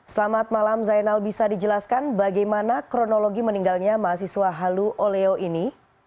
selamat malam zainal bisa dijelaskan bagaimana kronologi meninggalnya mahasiswa halu oleo ini